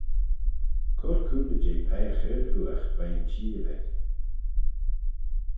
Cur coontey jeh peiagh ard-ghooagh veih'n çheer ayd.